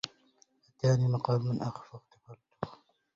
أتاني مقال من أخ فاغتفرته